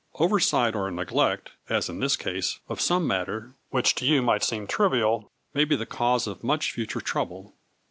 Oversight or neglect, as in this case, of some matter, which to you might seem trivial, may be the cause of much 164 A FLURRY IN DIAMONDS. future trouble.